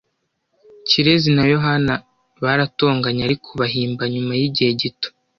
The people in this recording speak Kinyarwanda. Kirezi na Yohana baratonganye, ariko bahimba nyuma yigihe gito.